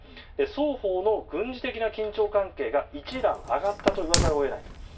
双方の軍事的な緊張関係が一段上がったと言わざるを得ないと。